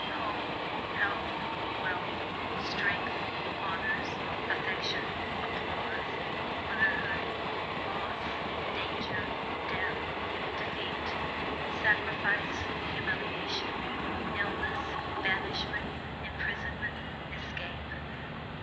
Home, health, wealth, strength, honors, affection, applause, motherhood, loss, danger, death, defeat, sacrifice, humiliation, illness, banishment, imprisonment, escape.